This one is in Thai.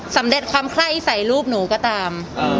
สำเร็จความไข้ใส่รูปหนูก็ตาม